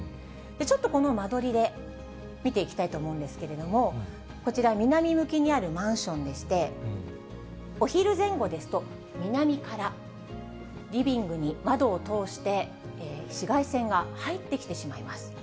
ちょっとこの間取りで見ていきたいと思うんですけれども、こちら、南向きにあるマンションでして、お昼前後ですと、南からリビングに窓を通して、紫外線が入ってきてしまいます。